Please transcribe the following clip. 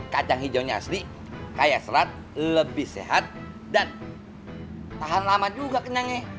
kacang ijo nya asli kaya serat lebih sehat dan tahan lama juga kenyangnya